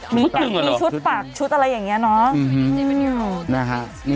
มีชุดหนึ่งหรอมีชุดปากชุดอะไรอย่างเงี้ยน้องอือฮือนะฮะ